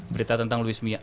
berita tentang louis mila